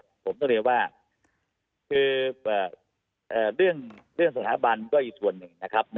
ผมต้องเรียนว่าคือเรื่องสถาบันก็อีกส่วนหนึ่งนะครับ